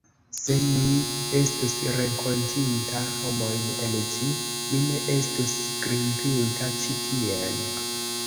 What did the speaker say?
Se mi estus renkontinta homojn en ĝi, mi ne estus grimpinta ĉi tien.